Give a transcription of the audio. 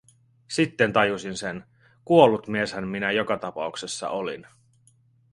Sitten tajusin sen, kuollut mieshän minä joka tapauksessa olin.